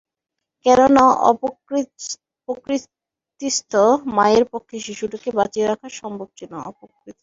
কেননা, অপ্রকৃতিস্থ মায়ের পক্ষে শিশুটিকে বাঁচিয়ে রাখা সম্ভব ছিল না।